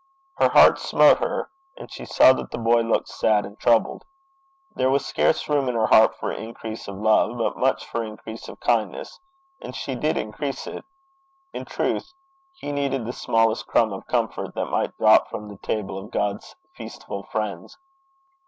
Her heart smote her, and she saw that the boy looked sad and troubled. There was scarce room in her heart for increase of love, but much for increase of kindness, and she did increase it. In truth, he needed the smallest crumb of comfort that might drop from the table of God's 'feastful friends.'